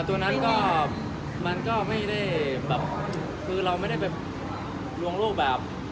ตัวนั้นก็ไม่เป็นเราไม่ได้เป็นท่านลวงโลกแบบ